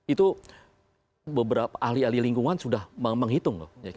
itu beberapa ahli ahli lingkungan sudah menghitung loh